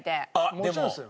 もちろんですよ。